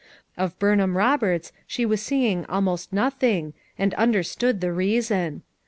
Of Burnham Roberts she was seeing almost noth ing and understood the reason.